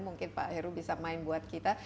mungkin pak heru bisa main buat kita